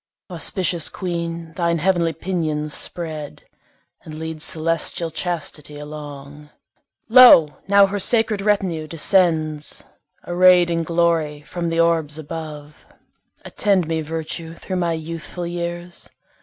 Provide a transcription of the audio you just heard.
Auspicious queen, thine heav'nly pinions spread, And lead celestial Chastity along; Lo! now her sacred retinue descends, Array'd in glory from the orbs above. Attend me, Virtue, thro' my youthful years!